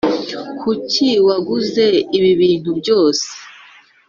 kuki waguze ibi bintu byose?